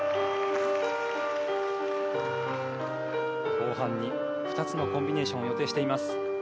後半に２つのコンビネーションを予定しています。